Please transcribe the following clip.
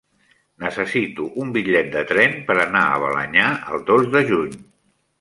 Necessito un bitllet de tren per anar a Balenyà el dos de juny.